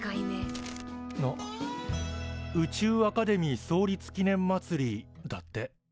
宇宙アカデミー創立記念まつりだって。